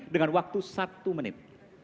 dengan waktu satu menit